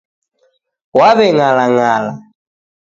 Waweng'alang'ala